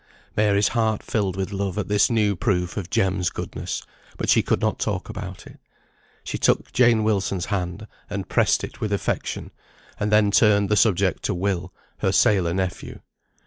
Mary's heart filled with love at this new proof of Jem's goodness; but she could not talk about it. She took Jane Wilson's hand, and pressed it with affection; and then turned the subject to Will, her sailor nephew.